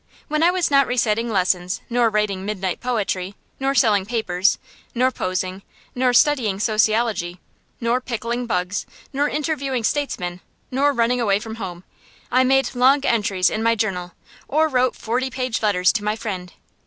When I was not reciting lessons, nor writing midnight poetry, nor selling papers, nor posing, nor studying sociology, nor pickling bugs, nor interviewing statesmen, nor running away from home, I made long entries in nay journal, or wrote forty page letters to my friends.